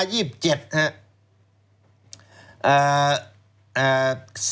สารรับฟ้องได้